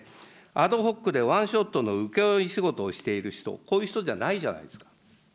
アドホックでワンショットの請け負い仕事をしている人、こういう人じゃないじゃないですか。